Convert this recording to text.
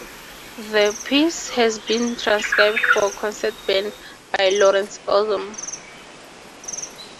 The piece has been transcribed for concert band by Lawrence Odom.